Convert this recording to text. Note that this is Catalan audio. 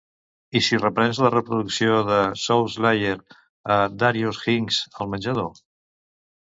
I si reprens la reproducció de "Soulslayer" de Darius Hinks al menjador?